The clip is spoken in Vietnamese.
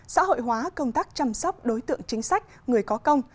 xã hội hóa công tác chăm sóc đối tượng chính sách người có công